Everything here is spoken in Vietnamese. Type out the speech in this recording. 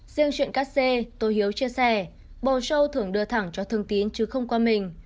riêng chuyện cắt xê tô hiếu chia sẻ bầu show thường đưa thẳng cho thương tín chứ không qua mình